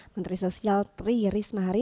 menteri sosial tri risma hari